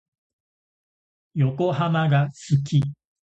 横浜が好き。